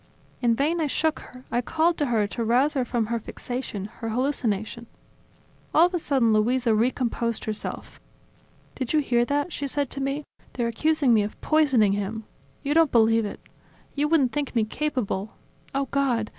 ..." In vain I shook her, I called to her to rouse her from her fixation, her hallucination ... All of a sudden Luisa recomposed herself. "Did you hear that?" she said to me, "They're accusing me of poisoning him. You don't believe it ... You wouldn't think me capable ... oh God!